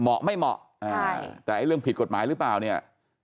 ไม่เหมาะแต่ไอ้เรื่องผิดกฎหมายหรือเปล่าเนี่ย